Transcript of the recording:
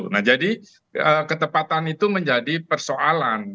nah jadi ketepatan itu menjadi persoalan